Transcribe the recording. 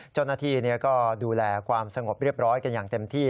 เจ้าหน้าที่ก็ดูแลความสงบเรียบร้อยกันอย่างเต็มที่